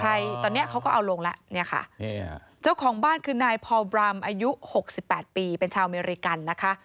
ใครตอนนี้เขาก็เอาลงแล้วเนี่ยค่ะเจ้าของบ้านคือนายพอบรามอายุ๖๘ปีเป็นชาวอเมริกันนะคะ